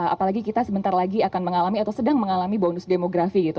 apalagi kita sebentar lagi akan mengalami atau sedang mengalami bonus demografi gitu